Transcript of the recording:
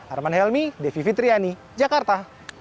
arman helmi devi fitriani jakarta